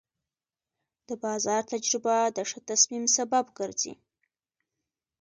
د بازار تجربه د ښه تصمیم سبب ګرځي.